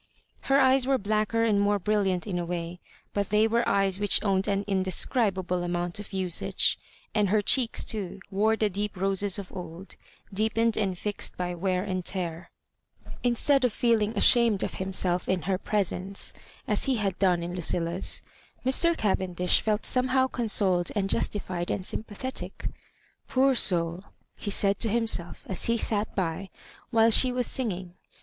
Her eyes were blacker and more brilliant in a way, but they were eyes whldi owned an indescri bable amount of usage; and her cheeks, too, wore the deep roses of old, deepened and fixed Digitized by VjOOQIC 162 MISS MABJORIBANKS. bj wear and tear. Instead of feeling ashamed of himself in her presence, as he hsid done in Lucilla's, Mr Cavendish felt somehow consoled and justified and sympathetic. "Poor soull^' he said to himself, as he sat bj while she was singing.